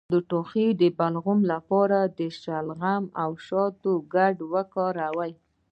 د ټوخي د بلغم لپاره د شلغم او شاتو ګډول وکاروئ